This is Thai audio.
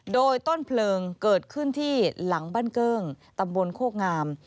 โดยต้นเพลิงเกิดขึ้นที่หลังบ้านเกิ้งตำบลโคกงาม